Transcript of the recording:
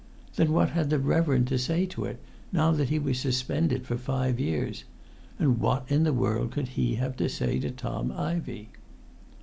Then what had the reverend to say to it, now that he was suspended for five years? And what in the world could he have to say to Tom Ivey?